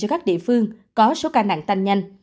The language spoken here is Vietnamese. các địa phương có số ca nạn tanh nhanh